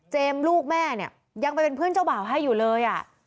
ลูกแม่เนี่ยยังไปเป็นเพื่อนเจ้าบ่าวให้อยู่เลย